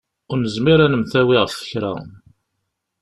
Ur nezmir ad nemtawi ɣef kra.